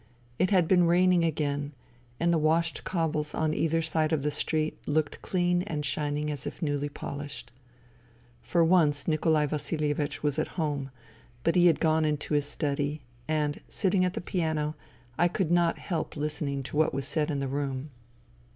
It had been raining again, and the washed cobbles on either side of the street looked clean and shining as if newly polished. For once Nikolai Vasihevich was at home, but he had gone into his study, and, sitting at the piano, I could not help listening to what was said in the room.